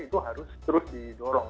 itu harus terus didorong